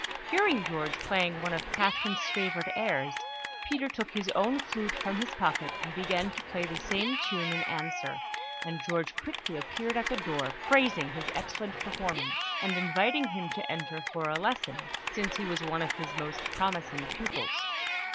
Hearing George playing one of Catherine's favourite airs, Peter took his own flute from his pocket, and began to play the same tune in answer; and George quickly appeared at the door, praising his excellent performance, and inviting him to enter for a lesson, since he was one of his most promising pupils.